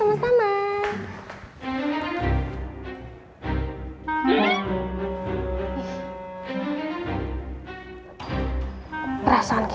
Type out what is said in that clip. jangan langsung marah brunei